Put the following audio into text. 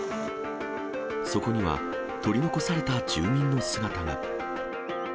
そこには取り残された住民の姿が。